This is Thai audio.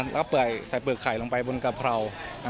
แล้วก็ใส่เปลือกไข่ลงไปบนกะเพรา